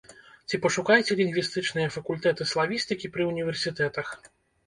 Ці пашукайце лінгвістычныя факультэты славістыкі пры універсітэтах.